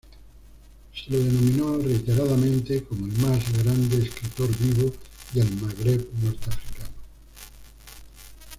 Se lo denominó reiteradamente como el más grande escritor, vivo, del Maghreb, norte africano.